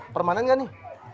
permanen gak nih